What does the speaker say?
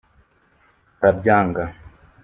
arabyanga